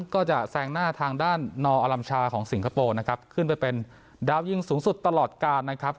ก็จะแซงหน้าทางด้านนออลัมชาของสิงคโปร์นะครับขึ้นไปเป็นดาวยิงสูงสุดตลอดการนะครับ